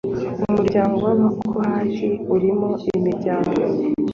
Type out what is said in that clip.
Umuryango w Abakohati urimo imiryango